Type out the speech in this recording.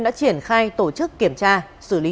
đã triển khai tổ chức kiểm tra xử lý